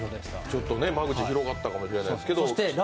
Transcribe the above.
ちょっとね間口広がったかもしれないですけど。